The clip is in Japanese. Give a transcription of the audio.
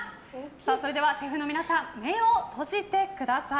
それではシェフの皆さん目を閉じてください。